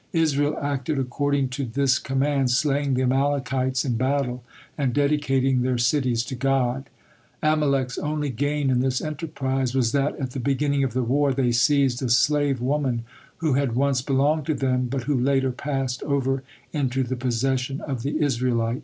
Israel acted according to this command, slaying the Amalekites in battle, and dedicating their cities to God. Amalek's only gain in this enterprise was that, at the beginning of the war, they seized a slave woman who had once belonged to them, but who later passed over into the possession of the Israelites.